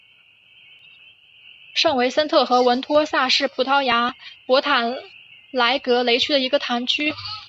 圣维森特和文托萨是葡萄牙波塔莱格雷区的一个堂区。